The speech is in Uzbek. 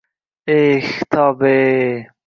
Eh, tavba-yey!